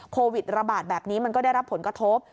โควิดระบาดแบบนี้มันก็ได้รับผลกระทบ